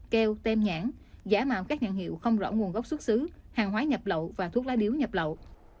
keo tem nhãn giả mạo các nhãn hiệu không rõ nguồn gốc xuất xứ hàng hóa nhập lậu và thuốc lá điếu nhập lậu